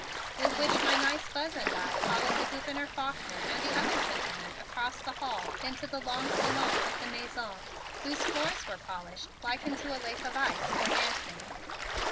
With which my nice Buzz and I followed the Gouverneur Faulkner and the other gentlemen across the hall into the long salon of the Mansion, whose floors were polished like unto a lake of ice, for dancing.